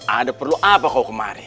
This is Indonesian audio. ada perlu apa kau kemari